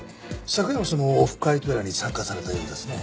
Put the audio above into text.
昨夜もそのオフ会とやらに参加されたようですね。